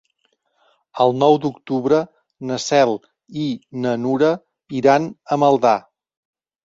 El nou d'octubre na Cel i na Nura iran a Maldà.